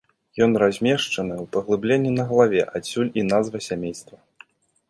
Ён размешчаны ў паглыбленні на галаве, адсюль і назва сямейства.